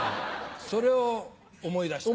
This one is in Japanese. それを思い出した。